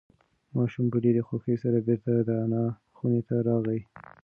ماشوم په ډېرې خوښۍ سره بیرته د انا خونې ته راغی.